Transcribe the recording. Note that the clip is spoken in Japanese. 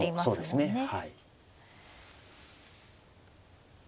そうですね。